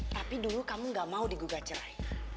tapi dulu kamu gak mau digugat cerai